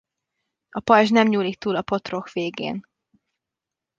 A pajzs nem nyúlik túl a potroh végén.